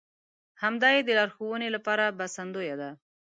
همدا يې د لارښوونې لپاره بسندويه ده.